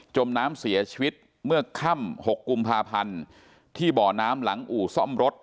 มน้ำเสียชีวิตเมื่อค่ำ๖กุมภาพันธ์ที่บ่อน้ำหลังอู่ซ่อมรถ